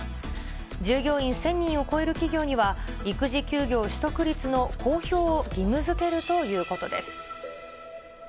従業員１０００人を超える企業には、育児休業取得率の公表を義務づけるということです。